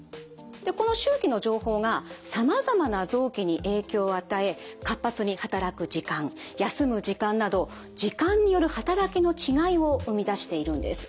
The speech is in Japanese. でこの周期の情報がさまざまな臓器に影響を与え活発に働く時間休む時間など時間による働きの違いを生み出しているんです。